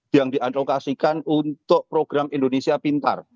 yang dialokasikan untuk program indonesia pintar